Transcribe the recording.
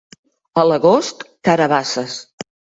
A l'agost, carabasses.